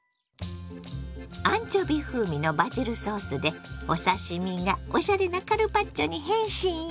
アンチョビ風味のバジルソースでお刺身がおしゃれなカルパッチョに変身よ！